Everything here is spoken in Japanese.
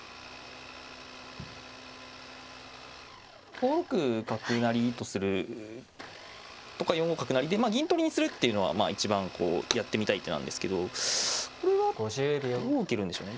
５六角成とするとか４五角成で銀取りにするっていうのは一番こうやってみたい手なんですけどこれはどう受けるんでしょうね。